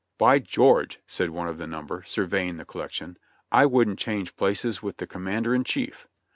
''By George!" said one of the number, surveying the collec tion, "I wouldn't change places with the commander in chief!"